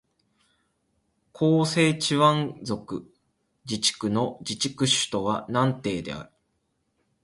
広西チワン族自治区の自治区首府は南寧である